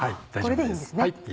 これでいいんですね。